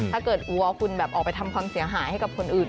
วัวคุณแบบออกไปทำความเสียหายให้กับคนอื่น